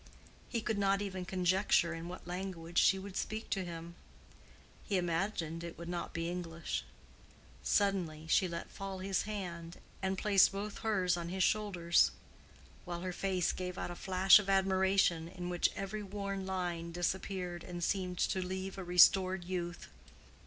He could not even conjecture in what language she would speak to him. He imagined it would not be English. Suddenly, she let fall his hand, and placed both hers on his shoulders, while her face gave out a flash of admiration in which every worn line disappeared and seemed to leave a restored youth.